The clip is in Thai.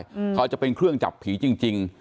เขาอาจจะเป็นเครื่องจับผีจริงจริง